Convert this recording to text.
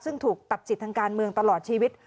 ซึ่งถูกตัดสิทธิ์ทางการเมืองตลอดชีวิต